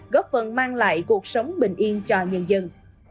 góp phần mang lại cuộc sống bình yên cho nhân dân